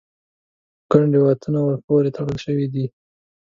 ګڼ روایتونه ور پورې تړل شوي دي.